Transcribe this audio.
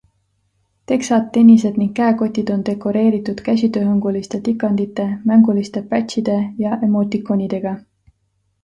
Teksad, tennised ning käekotid on dekoreeritud käsitööhõnguliste tikandite, mänguliste patchide ja emoticonidega.